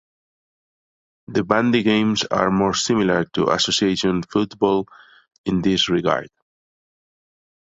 The bandy games are more similar to association football in this regard.